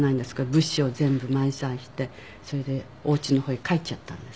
物資を全部満載してそれでお家の方へ帰っちゃったんです。